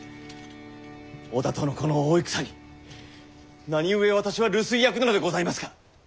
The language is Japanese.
織田とのこの大戦に何故私は留守居役なのでございますか！